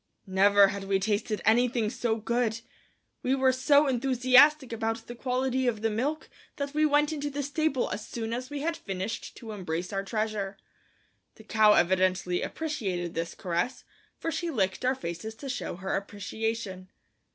Never had we tasted anything so good! We were so enthusiastic about the quality of the milk that we went into the stable as soon as we had finished to embrace our treasure. The cow evidently appreciated this caress, for she licked our faces to show her appreciation.